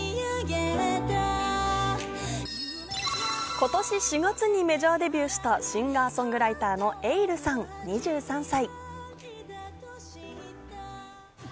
今年４月にメジャーデビューしたシンガー・ソングライターのｅｉｌｌさん、２３歳。